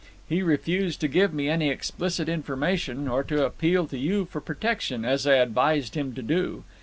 He refused to give me any explicit information, or to appeal to you for protection, as I advised him to do.